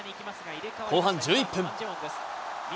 後半１１分。